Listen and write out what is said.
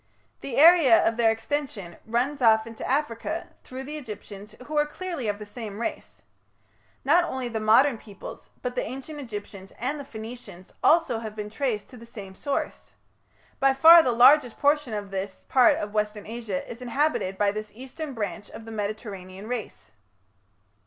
The area of their extension runs off into Africa, through the Egyptians, who are clearly of the same race. Not only the modern peoples, but the Ancient Egyptians and the Phoenicians also have been traced to the same source. By far the largest portion of this part of Western Asia is inhabited by this eastern branch of the Mediterranean race."